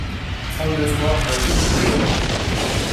trente-deux square Joachim du Bellay